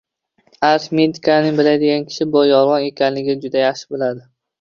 Arifmetikani biladigan kishi bu yolg'on ekanligini juda yaxshi biladi